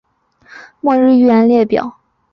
末日预言列表